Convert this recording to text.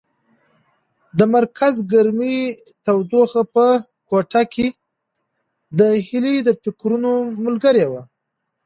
د مرکز ګرمۍ تودوخه په کوټه کې د هیلې د فکرونو ملګرې وه.